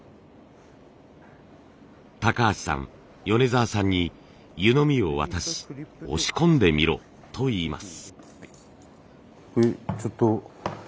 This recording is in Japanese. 橋さん米澤さんに湯飲みを渡し押し込んでみろと言います。